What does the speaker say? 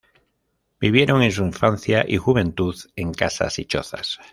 vivieron en su infancia y juventud en casas y chozas